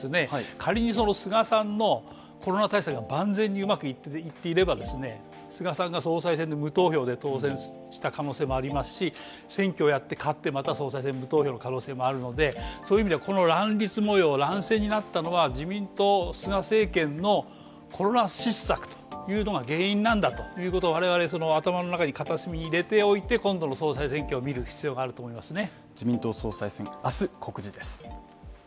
仮に菅さんのコロナ対策が万全にうまくいっていれば菅さんが総裁選で無投票で当選した可能性もありますし、選挙をやって勝ってまた総裁選無投票の可能性もありますのでそういう意味では、乱戦になったのは自民党、菅政権のコロナ失策というのが原因なんだと、我々、頭の片隅に入れておいて今度の総裁選挙を見る必要があると思いますね。